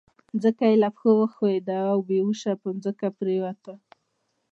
ځمکه يې له پښو وښوېده او بې هوښه پر ځمکه پرېوته.